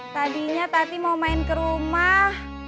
tadinya tati mau main ke rumah